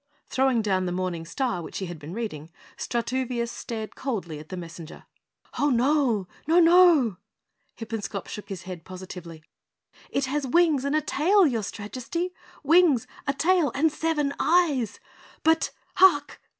Throwing down the morning star which he had been reading, Strutoovious stared coldly at the messenger. "Ho, no! Ho, NO!" Hippenscop shook his head positively. "It has wings and a tail, your Strajesty. Wings, a tail and seven eyes! But HARK!!"